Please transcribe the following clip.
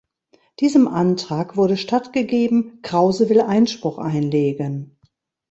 Diesem Antrag wurde stattgegeben, Krause will Einspruch einlegen.